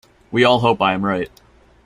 We all hope I am right.